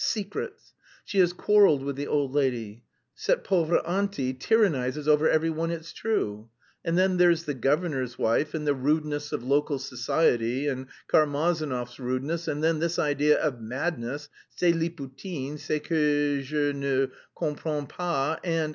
Secrets. She has quarrelled with the old lady. Cette pauvre auntie tyrannises over every one it's true, and then there's the governor's wife, and the rudeness of local society, and Karmazinov's 'rudeness'; and then this idea of madness, ce Lipoutine, ce que je ne comprends pas... and...